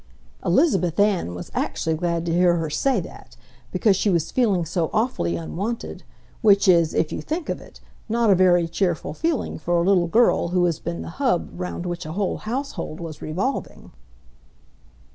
Elizabeth Ann was actually glad to hear her say that, because she was feeling so awfully unwanted, which is, if you think of it, not a very cheerful feeling for a little girl who has been the hub round which a whole household was revolving.